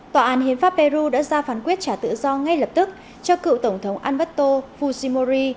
tòa án hiến pháp peru đã ra phán quyết trả tự do ngay lập tức cho cựu tổng thống alberto fusimori